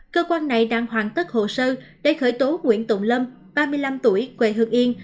cơ quan này đang hoàn tất hồ sơ để khởi tố nguyễn tùng lâm ba mươi năm tuổi quê hương yên